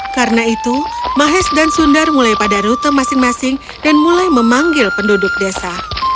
karena itu mahes dan sundar mulai pada rute masing masing dan mulai memanggil penduduk desa